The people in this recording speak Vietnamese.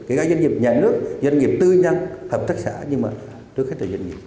kể cả doanh nghiệp nhà nước doanh nghiệp tư nhân hợp tác xã nhưng mà trước hết là doanh nghiệp